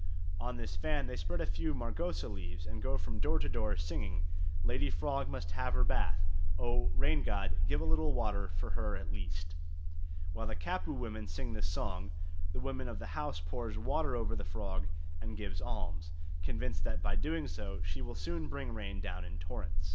On this fan they spread a few margosa leaves and go from door to door singing, "Lady frog must have her bath. Oh! rain god, give a little water for her at least." While the Kapu women sing this song, the woman of the house pours water over the frog and gives an alms, convinced that by so doing she will soon bring rain down in torrents.